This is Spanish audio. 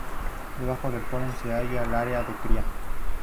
Debajo del polen se halla el área de cría.